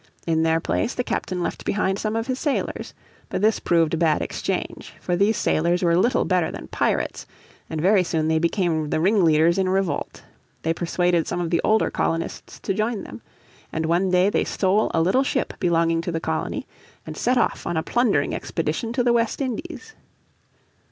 In their place the captain left behind some of his sailors. But this proved a bad exchange. For these sailors were little better than pirates, and very soon they became the ringleaders in revolt. They persuaded some of the older colonists to join them. And one day they stole a little ship belonging to the colony, and set off on a plundering expedition to the West Indies.